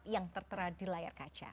yang tertera di layar kaca